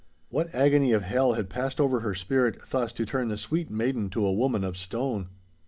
What agony of hell had passed over her spirit thus to turn the sweet maiden to a woman of stone?